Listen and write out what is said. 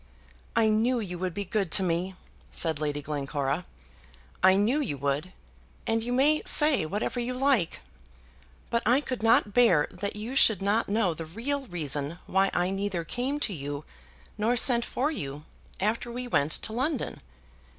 "I knew you would be good to me," said Lady Glencora. "I knew you would. And you may say whatever you like. But I could not bear that you should not know the real reason why I neither came to you nor sent for you after we went to London.